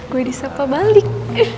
gue disapa balik